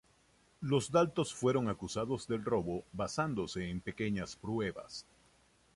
Los Dalton fueron acusados del robo, basándose en pequeñas pruebas.